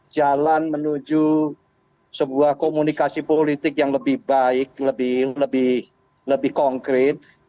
jalan menuju sebuah komunikasi politik yang lebih baik lebih konkret